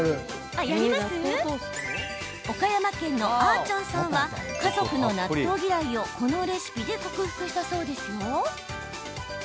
岡山県のあちゃんさんは家族の納豆嫌いをこのレシピで克服したそうですよ。